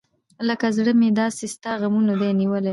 لکه زړه مې داسې ستا غمونه دى نیولي .